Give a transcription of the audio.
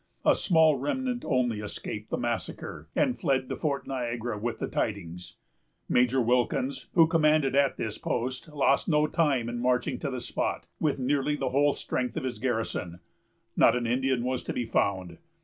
A small remnant only escaped the massacre, and fled to Fort Niagara with the tidings. Major Wilkins, who commanded at this post, lost no time in marching to the spot, with nearly the whole strength of his garrison. Not an Indian was to be found.